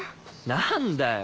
何だよ